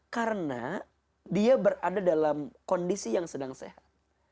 karena dia berada dalam kondisi yang sedang sehat